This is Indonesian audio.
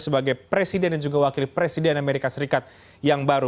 sebagai presiden dan juga wakil presiden amerika serikat yang baru